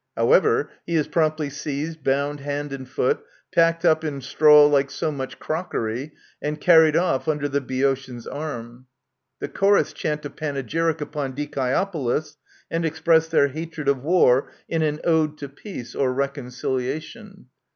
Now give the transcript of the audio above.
However, he is promptly seized, bound hand and foot, packed up in straw like so much crockery, and carried off under the Boeotian's arm. The Chorus chant a panegyric upon Dicaeopolis, and express their hatred of war in an Ode to Peace, or Reconciliation.